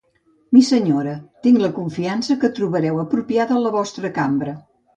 Missenyora, tinc la confiança que trobareu apropiada la vostra cambra.